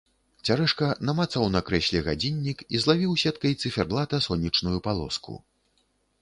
Цярэшка намацаў на крэсле гадзіннік і злавіў сеткай цыферблата сонечную палоску.